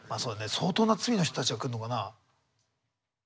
相当な罪の人たちが来るのかなあ。